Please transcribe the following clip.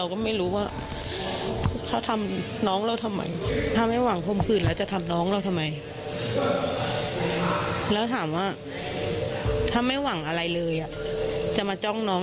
ภารกิจเรื่องประหิน